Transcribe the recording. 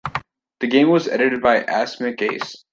The game was edited by Asmik Ace.